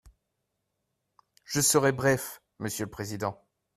Je serai bref, monsieur le président.